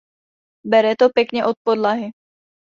Bere to pěkně od podlahy.